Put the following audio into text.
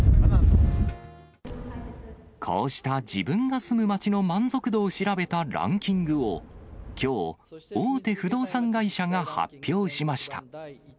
こうした自分が住む街の満足度を調べたランキングを、きょう、大手不動産会社が発表しました。